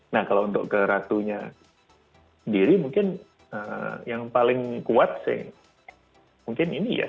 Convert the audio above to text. nah kalau untuk ke ratunya sendiri mungkin yang paling kuat sih mungkin ini ya